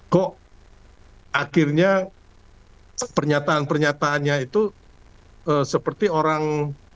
kok akhirnya pernyataan pernyataannya itu seperti orang